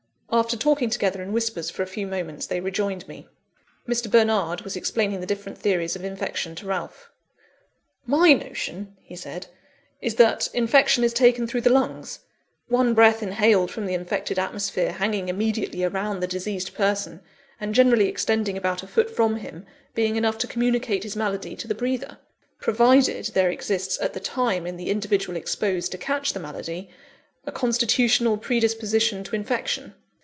After talking together in whispers for a few moments, they rejoined me. Mr. Bernard was explaining the different theories of infection to Ralph. "My notion," he said, "is, that infection is taken through the lungs; one breath inhaled from the infected atmosphere hanging immediately around the diseased person, and generally extending about a foot from him, being enough to communicate his malady to the breather provided there exists, at the time, in the individual exposed to catch the malady, a constitutional predisposition to infection.